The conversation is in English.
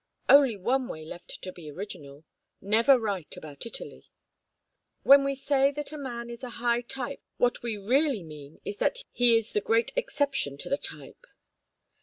"Only one way left to be original never write about Italy." "When we say that a man is a high type what we really mean is that he is the great exception to the type."